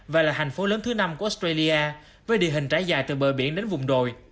và là thành phố lớn thứ năm của australia với địa hình trái dài từ bờ biển đến vùng đồi